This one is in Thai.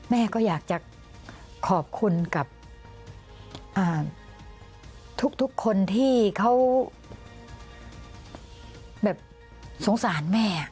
แม่ก็อยากจะขอบคุณกับทุกคนที่เขาแบบสงสารแม่